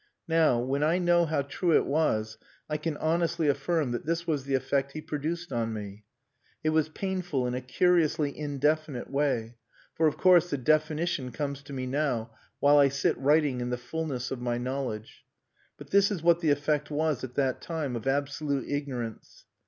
Now, when I know how true it was, I can honestly affirm that this was the effect he produced on me. It was painful in a curiously indefinite way for, of course, the definition comes to me now while I sit writing in the fullness of my knowledge. But this is what the effect was at that time of absolute ignorance.